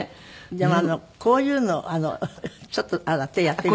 でもこういうのちょっと手やってみて。